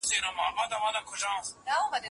تعليم د ځان وده تضمينوي.